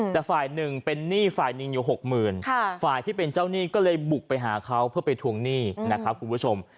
แต่ฝ่ายหนึ่งเป็นหนี้ฝ่ายหนึ่งอยู่หกหมื่นฝ่ายที่เป็นเจ้าหนี้ก็เลยบุกไปหาเขาเพื่อไปทวงหนี้นะครับคุณผู้ชม